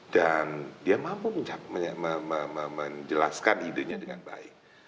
dan dia mampu menjelaskan idenya dengan baik